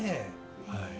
はい。